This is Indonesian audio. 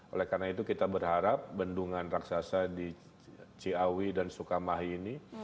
oleh karena itu kita berharap bendungan raksasa di ciawi dan sukamahi ini